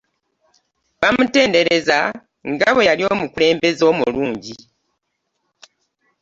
Bamutenderezza nga bwe yali omukulembeze omulungi